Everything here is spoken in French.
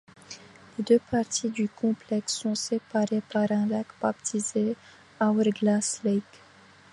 Les deux parties du complexe sont séparées par un lac baptisé Hourglass Lake.